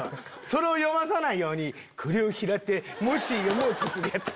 それを読まさないように「これを拾ってもし読もうと」。